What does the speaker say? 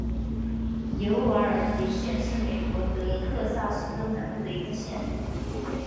尤瓦尔迪县是美国德克萨斯州南部的一个县。